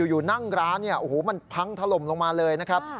อยู่นั่งร้านเนี่ยโอ้โหมันพังถล่มลงมาเลยนะครับ